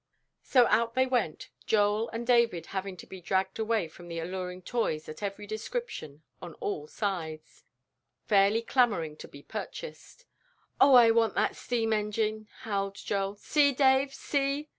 So out they went, Joel and David having to be dragged away from the alluring toys of every description on all sides, fairly clamoring to be purchased. "Oh, I want that steam engine," howled Joel. "See, Dave, see!"